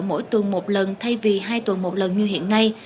mỗi tuần một lần thay vì hai tuần một lần như hiện nay